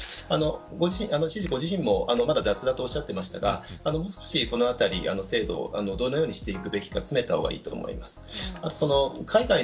なので、このあたり知事ご自身も、まだ雑だとおっしゃってましたがもう少しこの辺り制度をどのようにしていくべきか詰めた方がいいと思います。